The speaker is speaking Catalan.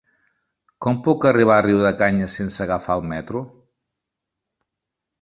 Com puc arribar a Riudecanyes sense agafar el metro?